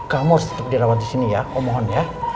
kamu harus tetep dirawat disini ya om mohon ya